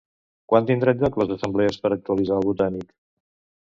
Quan tindran lloc les assemblees per actualitzar el Botànic?